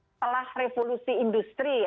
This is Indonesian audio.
setelah revolusi industri ya